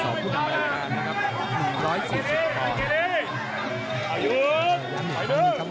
สอบผู้นำรายการนะครับ๑๔๐ตอน